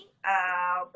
mungkin terlalu banyak